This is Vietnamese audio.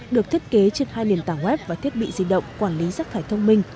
được thiết kế trên hai nền tảng web và thiết bị di động quản lý rác thải thông minh